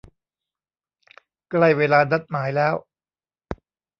ใกล้เวลานัดหมายแล้ว